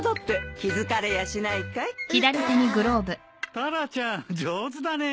タラちゃん上手だね。